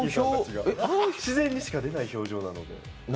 自然にしか出ない表情なので。